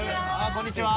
こんにちは。